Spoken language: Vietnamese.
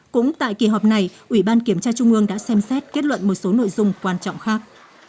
cũng tại kỳ họp này ủy ban kiểm tra trung ương đã xem xét kết luận một số nội dung quan trọng khác